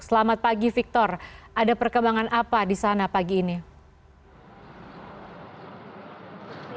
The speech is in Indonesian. selamat pagi victor ada perkembangan apa di sana pagi ini